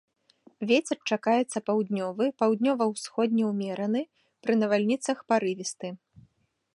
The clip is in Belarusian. Вецер чакаецца паўднёвы, паўднёва-ўсходні ўмераны, пры навальніцах парывісты.